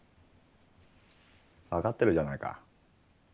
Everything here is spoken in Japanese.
分かってるじゃないか。